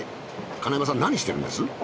金山さん何してるんです？